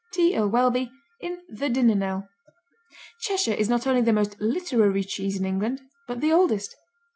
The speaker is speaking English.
T. Earle Welby, IN "THE DINNER KNELL" Cheshire is not only the most literary cheese in England, but the oldest.